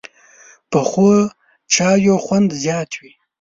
پخو چایو خوند زیات وي